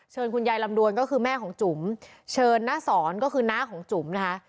คุณยายลำดวนก็คือแม่ของจุ๋มเชิญน้าสอนก็คือน้าของจุ๋มนะคะ